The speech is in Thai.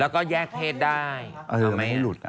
แล้วก็แยกเพศได้คือไม่ให้หลุด